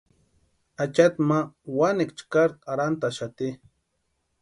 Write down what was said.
Achati ma wanekwa chʼkari arhantʼaxati.